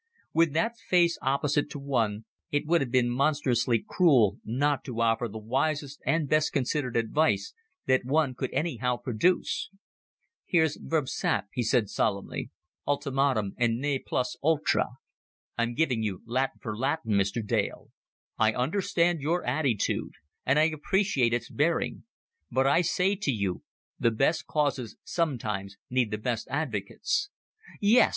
With that face opposite to one, it would have been monstrously cruel not to offer the wisest and best considered advice that one could anyhow produce. "Here's verb. sap," he said solemnly. "Ultimatum, and ne plus ultra. I'm giving you Latin for Latin, Mr. Dale. I understand your attitude, and I appreciate its bearing; but I say to you, the best causes sometimes need the best advocates." "Yes!"